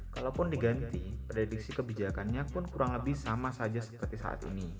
kalaupun diganti prediksi kebijakannya pun kurang lebih sama saja seperti saat ini